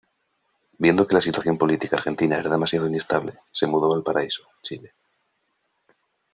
Viendo que la situación política argentina era demasiado inestable, se mudó a Valparaíso, Chile.